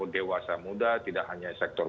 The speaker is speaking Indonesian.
dewasa muda tidak hanya sektor